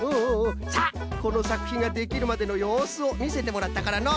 さあこのさくひんができるまでのようすをみせてもらったからの。